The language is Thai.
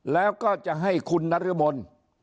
แล้วก็จะให้คุณนรมน